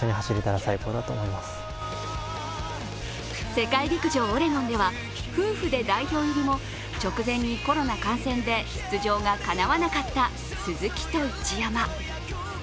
世界陸上オレゴンでは夫婦で代表入りも直前にコロナ感染で出場がかなわなかった鈴木と一山。